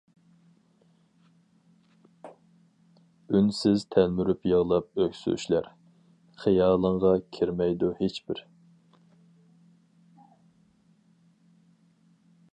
ئۈنسىز تەلمۈرۈپ يىغلاپ ئۆكسۈشلەر، خىيالىڭغا كىرمەيدۇ ھېچبىر.